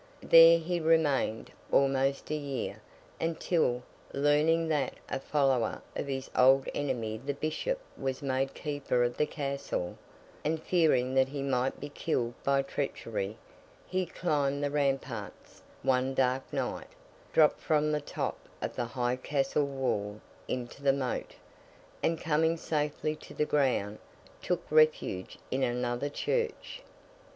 There, he remained almost a year, until, learning that a follower of his old enemy the Bishop was made Keeper of the Castle, and fearing that he might be killed by treachery, he climbed the ramparts one dark night, dropped from the top of the high Castle wall into the moat, and coming safely to the ground, took refuge in another church.